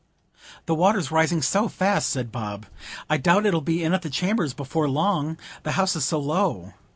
"The water's rising so fast," said Bob, "I doubt it'll be in at the chambers before long,—th' house is so low.